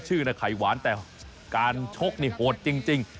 ชื่อนะไข่หวานแต่การชกนี่โหดจริง